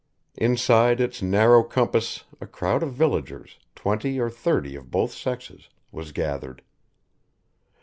Inside its narrow compass a crowd of villagers, twenty or thirty of both sexes, was gathered.